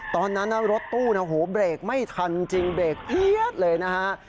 ตอนนั้นน่ะรถตู้น่ะโหเบรกไม่ทันจริงเบรกเลยนะฮะ